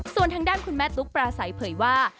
ส่วนทางด้านคุณแม่ตุ๊กปราศัยเผยว่า